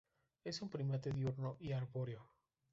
Es un primate diurno y arbóreo.